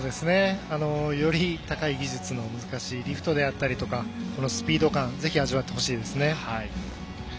より高い技術も難しいリフトであったりとかこのスピード感ぜひ味わってほしいですね。